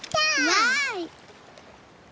わい！